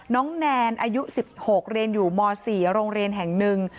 แนนอายุ๑๖เรียนอยู่ม๔โรงเรียนแห่งหนึ่ง